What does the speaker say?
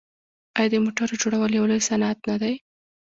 آیا د موټرو جوړول یو لوی صنعت نه دی؟